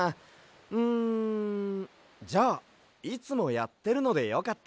んじゃあいつもやってるのでよかったら。